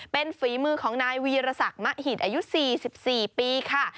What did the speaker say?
เป็นฝีมือของนายวีรศักดิ์มะหิตอายุ๔๔ปีค่ะ